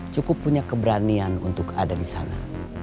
cukup punya keberanian untuk ada disana